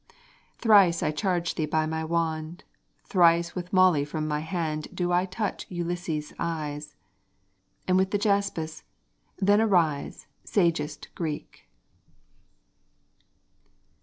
Thrice I charge thee by my wand, Thrice with moly from my hand Do I touch Ulysses's eyes, And with the jaspis: then arise, Sagest Greek!